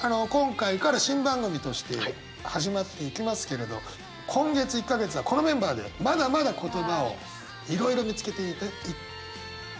今回から新番組として始まっていきますけれど今月１か月はこのメンバーでまだまだ言葉をいろいろ見つけてい。